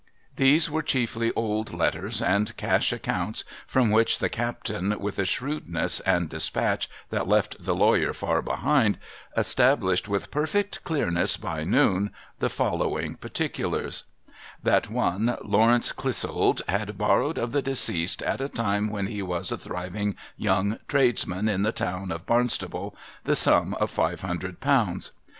These were chiefly old letters and cash accounts ; from which the captain, with a shrewdness and despatch that left the lawyer far behind, established with perfect clearness, by noon, the following particulars :— That one Lawrence Clissold had borrowed of tlie deceased, at a time when he was a thriving young tradesman in the town of Barnstaple, the sum of five hundred pounds.